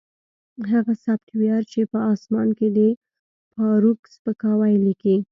هغه سافټویر چې په اسمان کې د فارویک سپکاوی لیکي